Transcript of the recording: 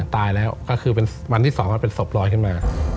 ตายแล้วก็คือเป็นวันที่๒มันเป็นศพลอยขึ้นมา